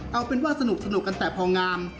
เอาเป็นว่าสนุกกันแต่พองาม